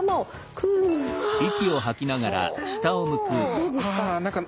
どうですか？